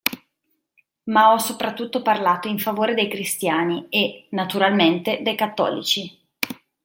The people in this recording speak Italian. Ma ho soprattutto parlato in favore dei cristiani e, naturalmente, dei cattolici.